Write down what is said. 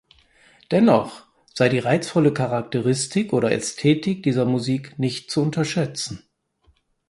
Dennoch sei die reizvolle Charakteristik oder Ästhetik dieser Musik nicht zu unterschätzen.